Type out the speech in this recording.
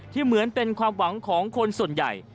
เหมือนเป็นความหวังของคนส่วนใหญ่